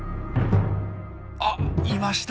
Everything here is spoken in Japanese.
あっいました。